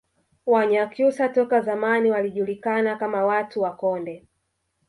Wanyakyusa toka zamani walijulikana kama watu wa Konde